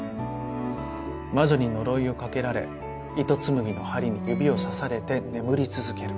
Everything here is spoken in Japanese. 魔女に呪いをかけられ糸紡ぎの針に指を刺されて眠り続ける。